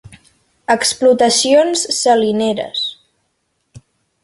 Explotacions salineres.